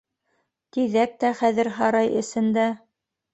— Тиҙәк тә хәҙер һарай эсендә.